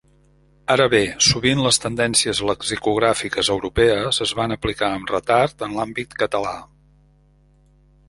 Ara bé, sovint les tendències lexicogràfiques europees es van aplicar amb retard en l'àmbit català.